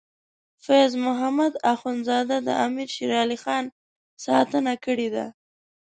فیض محمد اخونزاده د امیر شیر علی خان ستاینه کړې ده.